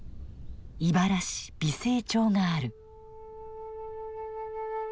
井原市美星町がある。